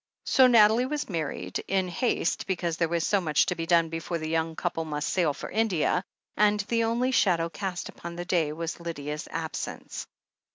So Nathalie was married, in haste because there was so much to be done before the young couple must sail for India, and the only shadow cast upon the day was Lydia's absence.